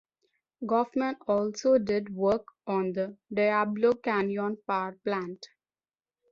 Gofman also did work on the Diablo Canyon Power Plant.